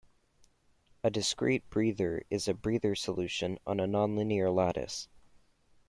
A discrete breather is a breather solution on a nonlinear lattice.